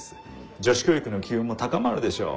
女子教育の機運も高まるでしょう。